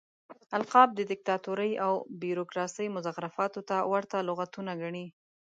القاب د ديکتاتورۍ او بيروکراسۍ مزخرفاتو ته ورته لغتونه ګڼي.